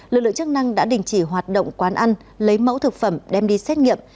lực lượng chức năng đã đình chỉ hoạt động quán ăn lấy mẫu thực phẩm đem đi xét nghiệm